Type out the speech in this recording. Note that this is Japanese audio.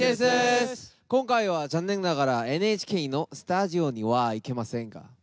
今回は残念ながらＮＨＫのスタジオには行けませんが。